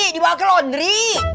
dibawa ke londri